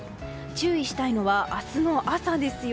注意したいのは明日の朝ですよ。